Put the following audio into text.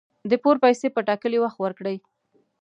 د پور پیسي په ټاکلي وخت ورکړئ